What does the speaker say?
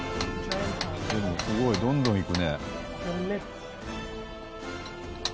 すごいどんどんいくね。